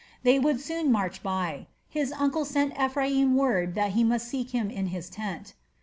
They would soon march by. His uncle sent Ephraim word that he must seek him in his tent.